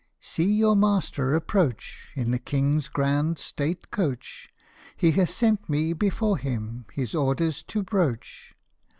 " See your master approach In the King's grand state coach ; He has sent me before him, his orders to broach.